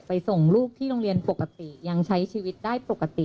ส่งลูกที่โรงเรียนปกติยังใช้ชีวิตได้ปกติ